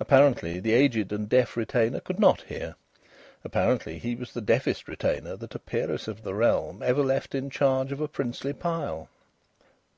Apparently the aged and deaf retainer could not hear. Apparently he was the deafest retainer that a peeress of the realm ever left in charge of a princely pile.